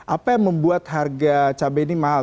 apa yang membuat harga cabai ini mahal